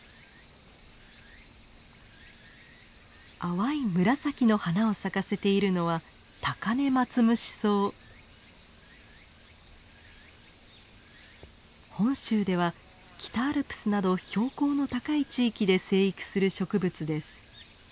淡い紫の花を咲かせているのは本州では北アルプスなど標高の高い地域で生育する植物です。